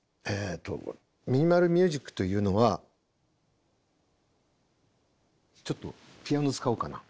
ミニマル・ミュージックというのはちょっとピアノ使おうかな。